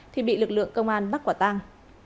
thì bị lực lượng công an bắt quả tang